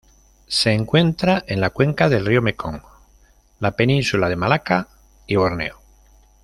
Se encuentra en la cuenca del río Mekong, la Península de Malaca y Borneo.